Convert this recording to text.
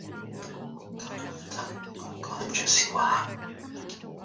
搞到而家我講唔出笑話